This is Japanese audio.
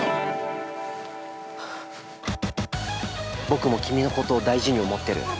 ◆僕も君のことを大事に思ってる。